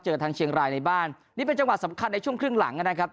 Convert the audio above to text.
ทางเชียงรายในบ้านนี่เป็นจังหวะสำคัญในช่วงครึ่งหลังนะครับ